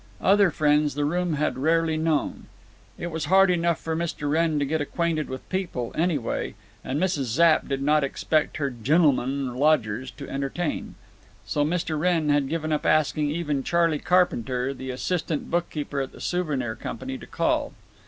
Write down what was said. Other friends the room had rarely known. It was hard enough for Mr. Wrenn to get acquainted with people, anyway, and Mrs. Zapp did not expect her gennulman lodgers to entertain. So Mr. Wrenn had given up asking even Charley Carpenter, the assistant bookkeeper at the Souvenir Company, to call.